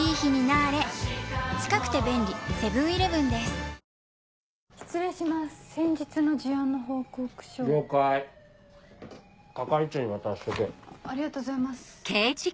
ありがとうございます。